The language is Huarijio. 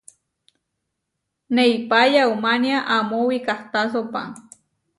Neipá yaumánia amó wikahtásopa.